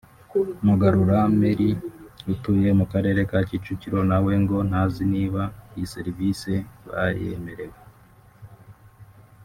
Mugarura Mary utuye mu Karere ka Kicukiro na we ngo ntazi niba iyi serivisei bayemerewe